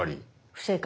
不正解。